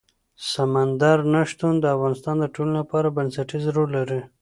سمندر نه شتون د افغانستان د ټولنې لپاره بنسټيز رول لري.